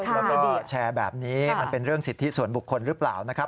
แล้วก็แชร์แบบนี้มันเป็นเรื่องสิทธิส่วนบุคคลหรือเปล่านะครับ